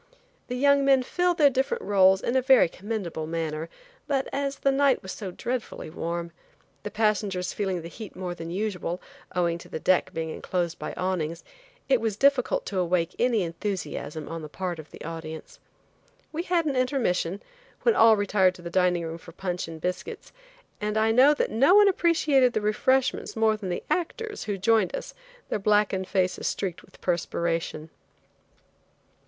The young men filled their different roles in a very commendable manner, but as the night was so dreadfully warm, the passengers feeling the heat more than usual, owing to the deck being enclosed by awnings, it was difficult to awake any enthusiasm on the part of the audience. We had an intermission, when all retired to the dining room for punch and biscuits, and I know that no one appreciated the refreshments more than the actors, who joined us, their blackened faces streaked with perspiration.